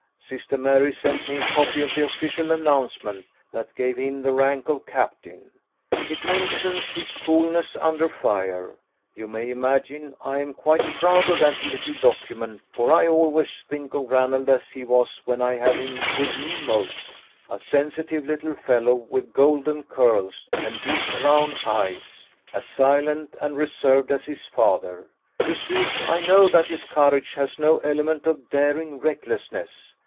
Sister Mary sent me a copy of the official announcement, that gave him the rank of captain. It mentions his coolness under fire. You may imagine I am quite proud of that little document, for I always think of Ranald as he was when I had him with me most, a sensitive little fellow with golden curls and big brown eyes, as silent and reserved as his father. You see I know that his courage has no element of daring recklessness.